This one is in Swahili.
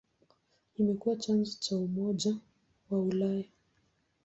Imekuwa chanzo cha Umoja wa Ulaya.